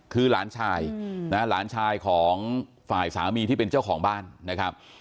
คือหลานชายนะหลานชายของฝ่ายสามีที่เป็นเจ้าของบ้านนะครับ